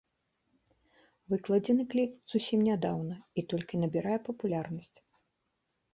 Выкладзены кліп зусім нядаўна і толькі набірае папулярнасць.